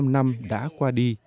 bốn mươi năm năm đã qua đi